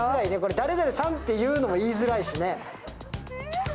誰々さんて言うのも言いづらいしね。